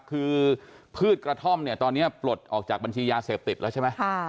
คือพืชกระท่อมเนี่ยตอนนี้ปลดออกจากบัญชียาเสพติดแล้วใช่ไหม